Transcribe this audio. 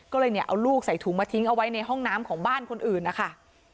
ก็เลยเนี่ยเอาลูกใส่ถุงมาทิ้งเอาไว้ในห้องน้ำของบ้านคนอื่นนะคะ